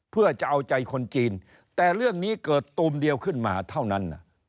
เพื่อจะเอาใจคนจีนแต่เรื่องนี้เกิดตูมเดียวขึ้นมาเท่านั้น